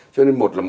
cho nên một là